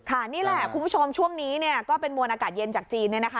นี่แหละคุณผู้ชมช่วงนี้เนี่ยก็เป็นมวลอากาศเย็นจากจีนเนี่ยนะคะ